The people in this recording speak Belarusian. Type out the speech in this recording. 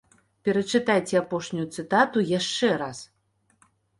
Перачытайце апошнюю цытату яшчэ раз.